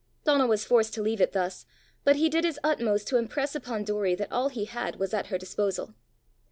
Donal was forced to leave it thus, but he did his utmost to impress upon Doory that all he had was at her disposal.